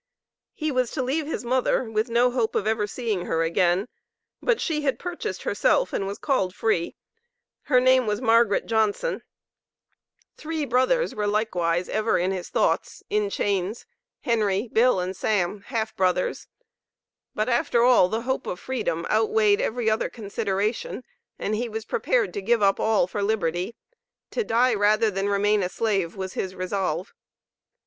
He was to leave his mother, with no hope of ever seeing her again, but she had purchased herself and was called free. Her name was Margaret Johnson. Three brothers likewise were ever in his thoughts, (in chains), "Henry," "Bill," and "Sam," (half brothers). But after all the hope of freedom outweighed every other consideration, and he was prepared to give up all for liberty. To die rather than remain a slave was his resolve.